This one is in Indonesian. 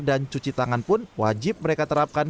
dan cuci tangan pun wajib mereka terapkan